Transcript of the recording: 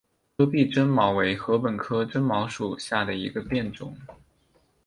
戈壁针茅为禾本科针茅属下的一个变种。